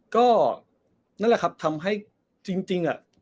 ก็นั่นแหละครับทำให้จริง